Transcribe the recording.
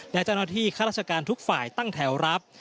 และเจ้าหน้าที่ข้าราชการทุกฝ่ายตั้งแถวรับ